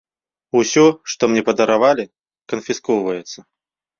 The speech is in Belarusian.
Усё, што мне падаравалі, канфіскоўваецца.